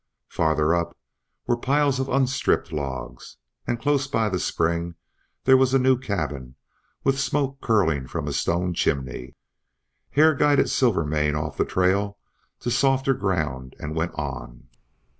Farther up were piles of unstripped logs, and close by the spring there was a new cabin with smoke curling from a stone chimney. Hare guided Silvermane off the trail to softer ground and went on.